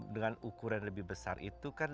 dengan ukuran lebih besar itu kan